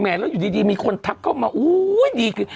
แหมแล้วอยู่ดีมีคนทักเข้ามาอู้ย